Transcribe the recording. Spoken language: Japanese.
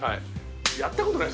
やったことない。